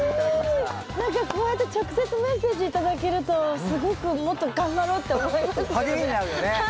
何かこうやって直接メッセージ頂けるとすごくもっと頑張ろうって思いますよね。